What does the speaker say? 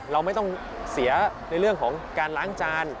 เราไม่ต้องเสียในเรื่องของการล้างจาน